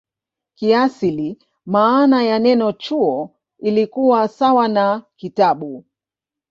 Kiasili maana ya neno "chuo" ilikuwa sawa na "kitabu".